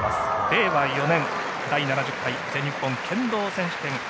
令和４年第７０回全日本剣道選手権。